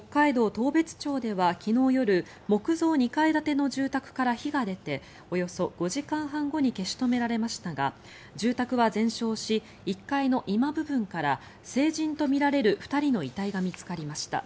当別町では昨日夜木造２階建ての住宅から火が出ておよそ５時間半後に消し止められましたが住宅は全焼し１階の居間部分から成人とみられる２人の遺体が見つかりました。